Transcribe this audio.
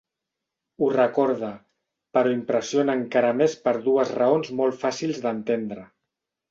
Ho recorda, però impressiona encara més per dues raons molt fàcils d'entendre.